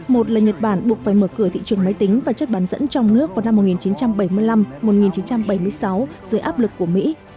một là nhật bản buộc phải mở cửa thị trường máy tính và chất bán dẫn trong nước vào năm một nghìn chín trăm bảy mươi năm một nghìn chín trăm bảy mươi sáu dưới áp lực của mỹ